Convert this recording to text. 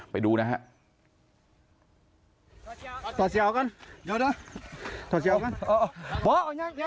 ไปดูนะฮะ